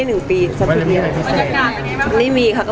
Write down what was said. เมื่อกี้มันเหมือนค่ะ